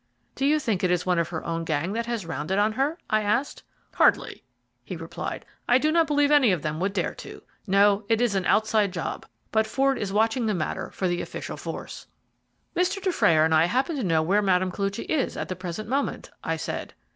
"Do you think it is one of her own gang that has rounded on her?" I asked. "Hardly," he replied; "I do not believe any of them would dare to. No, it is an outside job, but Ford is watching the matter for the official force." "Mr. Dufrayer and I happen to know where Madame Koluchy is at the present moment," I said.